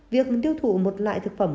việc tiêu thụ một loại thực phẩm